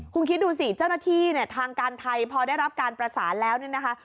คุณคิดดูสิเจ้าหน้าที่เนี่ยทางการไทยพอได้รับการประสานแล้วเนี่ยนะคะ